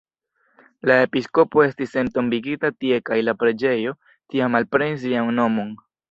La episkopo estis entombigita tie kaj la preĝejo tiam alprenis lian nomon.